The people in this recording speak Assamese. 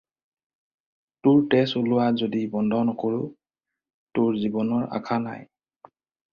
তোৰ তেজ ওলোৱা যদি বন্ধ নকৰোঁ তোৰ জীৱনৰ আশা নাই।